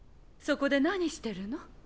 そこで何してるの？